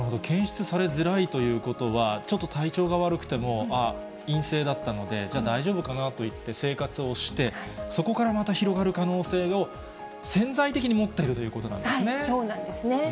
検出されづらいということは、ちょっと体調が悪くても、ああ、陰性だったので、じゃあ、大丈夫かなといって生活をして、そこからまた広がる可能性を潜在的に持っているということなんですね。